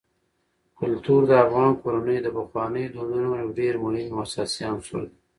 کلتور د افغان کورنیو د پخوانیو دودونو یو ډېر مهم او اساسي عنصر دی.